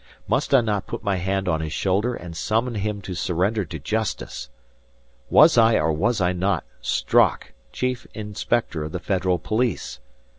Must I not put my hand on his shoulder and summon him to surrender to justice! Was I or was I not Strock, chief inspector of the federal police?